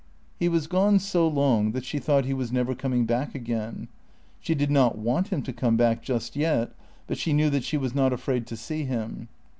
He was gone so long that she thought he was never coming back again. She did not want him to come back just yet, but she knew that she was not afraid to see him.